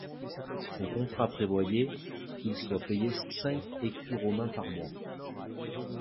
Son contrat prévoyait qu'il soit payé cinq écus romains par mois.